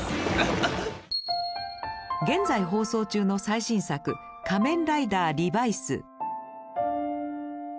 現在放送中の最新作「仮面ライダーリバイス」。